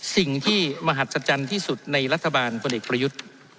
สิ่งที่มหัศจรรย์ที่สุดในรัฐบาลพลเอกประยุทธ์